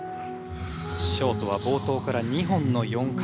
ショートは冒頭から２本の４回転。